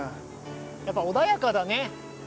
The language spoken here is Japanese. やっぱ穏やかだね